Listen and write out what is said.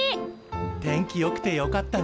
天気よくてよかったね。